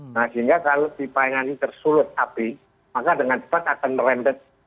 nah sehingga kalau pipa yang ini tersulut api maka dengan cepat akan merembet